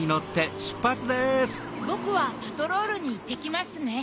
ぼくはパトロールにいってきますね。